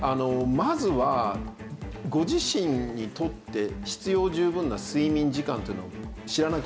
まずはご自身にとって必要十分な睡眠時間というのを知らなきゃいけないんですよね。